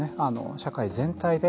社会全体で